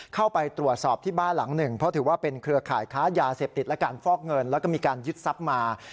เข้าไปตรวจสอบที่บ้านหลังหนึ่งเพราะถือว่าเป็นเครือข่ายค้ายาเสพติดและการฟอกเงินแล้วก็มีการยึดทรัพย์มา